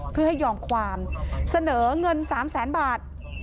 เพื่อให้ยอมความเสนอเงิน๓แสนบาท